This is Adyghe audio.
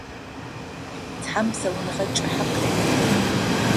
Тхьам псэуныгъэ кӏыхьэ къырет.